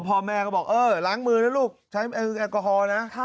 พ่อแม่ก็บอกเออล้างมือนะลูกใช้แอลกอฮอล์นะ